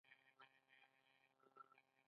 ایا غواړئ چې خوشحاله اوسئ؟